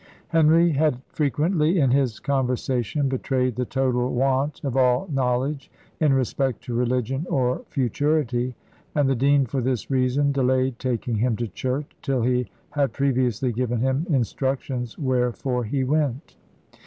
Henry had frequently, in his conversation, betrayed the total want of all knowledge in respect to religion or futurity, and the dean for this reason delayed taking him to church, till he had previously given him instructions wherefore he went.